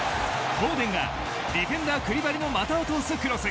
フォーデンがディフェンダークリバリの股を通すクロス。